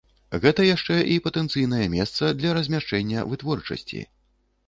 Гэта яшчэ і патэнцыйнае месца для размяшчэння вытворчасці.